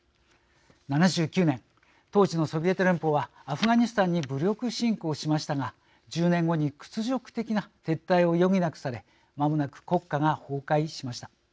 ７９年、当時のソビエト連邦はアフガニスタンに武力侵攻しましたが１０年後に屈辱的な撤退を余儀なくされまもなく国家が崩壊しました。